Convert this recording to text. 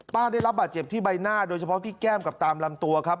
ได้รับบาดเจ็บที่ใบหน้าโดยเฉพาะที่แก้มกับตามลำตัวครับ